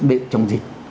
để chống dịch